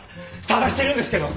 捜してるんですけど